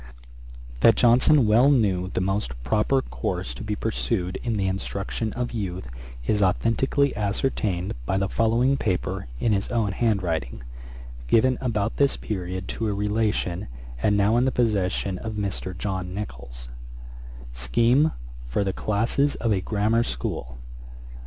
That Johnson well knew the most proper course to be pursued in the instruction of youth, is authentically ascertained by the following paper in his own hand writing, given about this period to a relation, and now in the possession of Mr. John Nichols: 'SCHEME for the CLASSES of a GRAMMAR SCHOOL.